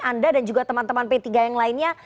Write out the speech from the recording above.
anda dan juga teman teman p tiga yang lainnya